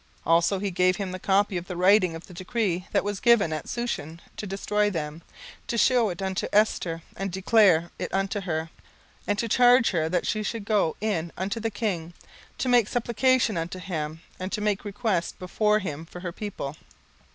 17:004:008 Also he gave him the copy of the writing of the decree that was given at Shushan to destroy them, to shew it unto Esther, and to declare it unto her, and to charge her that she should go in unto the king, to make supplication unto him, and to make request before him for her people.